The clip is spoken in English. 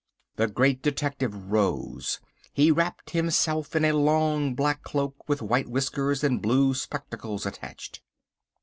The Great Detective rose. He wrapped himself in a long black cloak with white whiskers and blue spectacles attached.